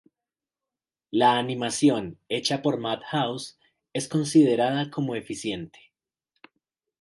La animación hecha por Madhouse es considerada como eficiente.